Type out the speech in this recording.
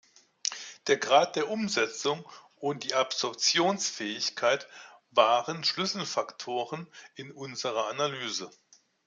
Der Grad der Umsetzung und die Absorptionsfähigkeit waren Schlüsselfaktoren in unserer Analyse.